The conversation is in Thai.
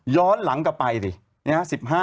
ย้อนหลังกลับไปสิเนี่ยฮะ๑๕เนี่ยฮะ